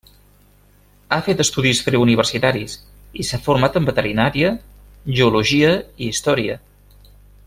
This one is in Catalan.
Ha fet estudis preuniversitaris, i s'ha format en veterinària, geologia i història.